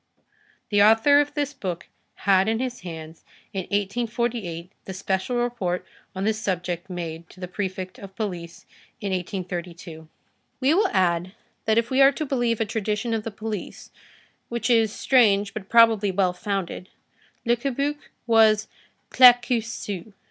The author of this book had in his hands, in 1848, the special report on this subject made to the Prefect of Police in 1832. We will add, that if we are to believe a tradition of the police, which is strange but probably well founded, Le Cabuc was Claquesous.